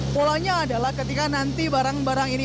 polanya adalah ketika nanti barang barang ini